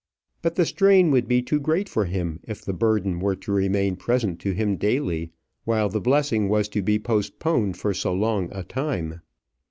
But the strain would be too great for him if the burden were to remain present to him daily, while the blessing was to be postponed for so long a time.